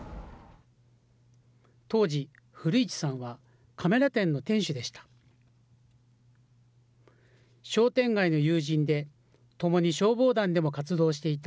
当時、古市さんはカメラ店の店主でした。